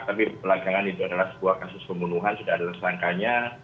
tapi belakangan itu adalah sebuah kasus pembunuhan sudah ada tersangkanya